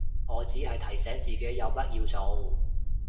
我只係提醒自己有乜要做